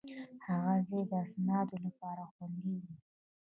هغه ځای د اسنادو لپاره خوندي و.